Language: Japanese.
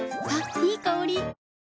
いい香り。